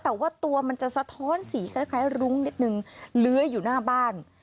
แต่ว่าตัวมันจะสะท้อนสีคล้ายรุ้งนิดนึงเลื้อยอยู่หน้าบ้าน